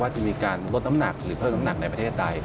จะมีการลดน้ำหนักหรือเพิ่มน้ำหนักในประเทศใด